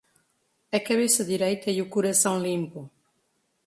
A cabeça direita e o coração limpo.